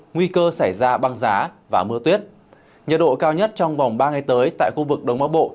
nguy cơ xảy ra băng giá và mưa tuyết nhiệt độ cao nhất trong vòng ba ngày tới tại khu vực đông bắc bộ